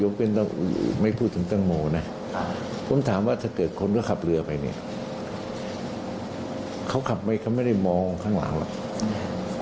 เขาขับไปเขาไม่ได้มองข้างหลังหรอก